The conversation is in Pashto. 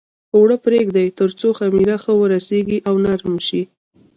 اوړه پرېږدي تر څو خمېره ښه ورسېږي او نرم شي.